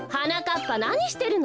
っぱなにしてるの？